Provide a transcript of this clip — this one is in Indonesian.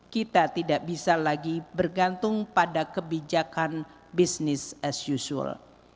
kita tidak bisa lagi bergantung pada kebijakan bisnis as usual